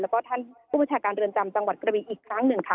แล้วก็ท่านผู้บัญชาการเรือนจำจังหวัดกระบีอีกครั้งหนึ่งค่ะ